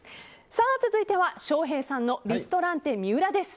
続いては翔平さんのリストランテＭＩＵＲＡです。